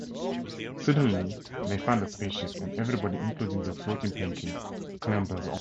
Suddenly, they find a spaceship, and everybody, including the floating pancake, clambers on.